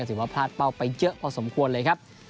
ถือว่าพลาดเป้าไปเยอะพอสมควรเลยครับ